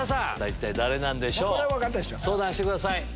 一体誰なんでしょう？相談してください。